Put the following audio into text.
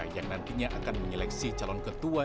yang nantinya akan menyeleksi calon ketua